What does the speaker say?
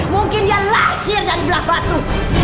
mungkin dia lahir dari belah waktu